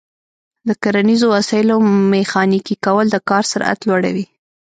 د کرنیزو وسایلو میخانیکي کول د کار سرعت لوړوي.